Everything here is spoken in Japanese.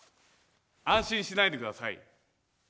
安心しないで下さい。